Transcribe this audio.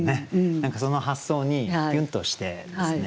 何かその発想にキュンとしてですね。